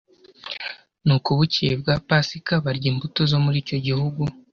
nuko bukeye bwa pasika, barya imbuto zo muri icyo gihugu;